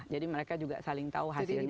jadi mereka juga saling tahu hasilnya